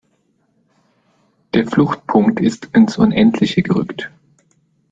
Der Fluchtpunkt ist ins Unendliche gerückt.